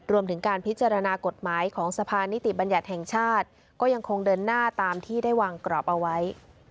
รวมถึงการพิจารณากฎหมายของสะพานนิติบัญญัติแห่งชาติก็ยังคงเดินหน้าตามที่ได้วางกรอบเอาไว้